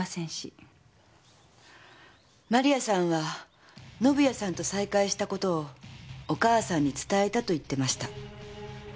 万里亜さんは宣也さんと再会した事をお義母さんに伝えたと言ってました。